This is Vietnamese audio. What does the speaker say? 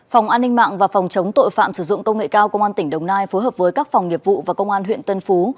phòng an ninh mạng và phòng chống tội phạm sử dụng công nghệ cao công an tỉnh đồng nai phối hợp với các phòng nghiệp vụ và công an huyện tân phú